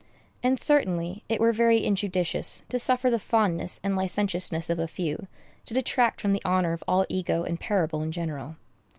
And, certainly, it were very injudicious to suffer the fondness and licentiousness of a few to detract from the honor of all ego and parable in general.